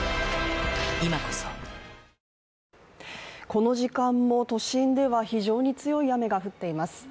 この時間も都心では非常に強い雨が降っています。